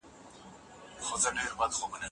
د شاګرد او استاد ترمنځ باید باور وي.